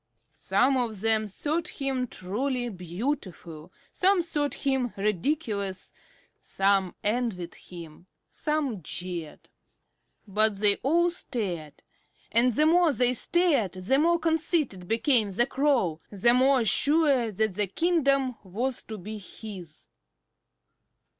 Some of them thought him truly beautiful, some thought him ridiculous; some envied him, some jeered. But they all stared; and the more they stared the more conceited became the Crow, the more sure that the kingdom was to be his.